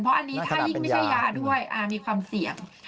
เพราะอันนี้ถ้ายิ่งไม่ใช่ยาด้วยมีความเสี่ยง